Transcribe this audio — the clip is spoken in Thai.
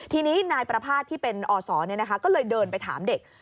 ทีนี้นายประภาษที่เป็นอสเนี่ยนะคะก็เลยเดินไปถามเด็ก